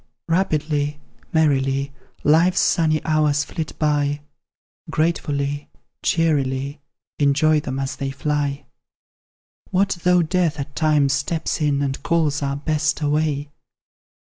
Rapidly, merrily, Life's sunny hours flit by, Gratefully, cheerily Enjoy them as they fly! What though Death at times steps in, And calls our Best away?